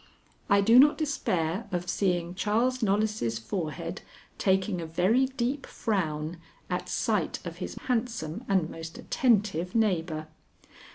I do not despair of seeing Charles Knollys' forehead taking a very deep frown at sight of his handsome and most attentive neighbor.